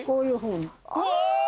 うわ！